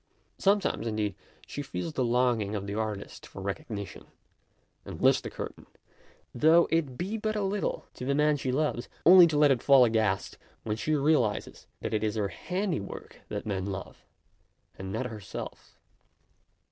Sometimes, in deed, she feels the longing of the artist for recognition, and lifts the curtain, though it be but a little, to the man she loves, only to let it fall aghast, when she realizes that it is her handiwork that men love, and not her self.